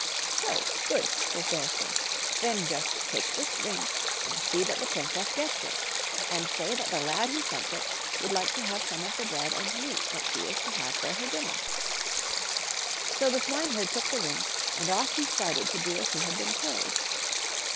" So ! good," says Bearskin ;" then just take this ring and see that the princess gets it ; and say that the lad who sent it would like to have some of the bread and meat that she is to have for her dinner. So the swineherd took the ring, and off he started to do as he had been told.